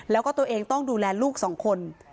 แล้วก็ตัวเองต้องดูแลลูกสองคน